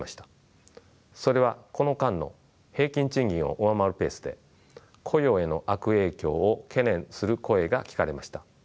それはこの間の平均賃金を上回るペースで雇用への悪影響を懸念する声が聞かれました。